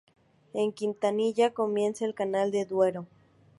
En Quintanilla comienza el canal del Duero.